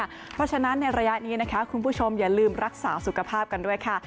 เพราะฉะนั้นในระยะนี้นะคะคุณผู้ชมอย่าลืมรักษาสุขภาพกันด้วยค่ะ